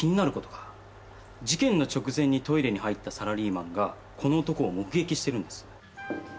事件の直前にトイレに入ったサラリーマンがこの男を目撃してるんです。